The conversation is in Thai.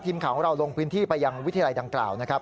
ทีมข่าวของเราลงพื้นที่ไปยังวิทยาลัยดังกล่าวนะครับ